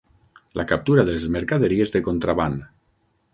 La captura de les mercaderies de contraban.